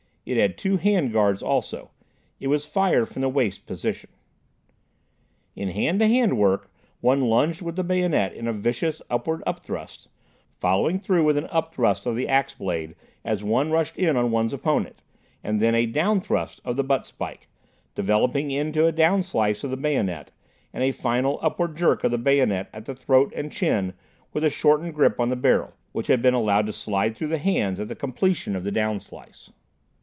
It had two hand guards also. It was fired from the waist position. In hand to hand work one lunged with the bayonet in a vicious, swinging up thrust, following through with an up thrust of the ax blade as one rushed in on one's opponent, and then a down thrust of the butt spike, developing into a down slice of the bayonet, and a final upward jerk of the bayonet at the throat and chin with a shortened grip on the barrel, which had been allowed to slide through the hands at the completion of the down slice.